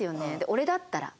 「俺だったら」